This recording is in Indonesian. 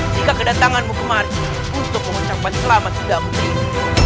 jika kedatanganmu kemarin untuk mengocampan selamat sudah aku beri